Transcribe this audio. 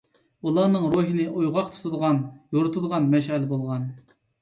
ئۇلارنىڭ روھىنى ئويغاق تۇتىدىغان، يورۇتىدىغان مەشئەل بولغان.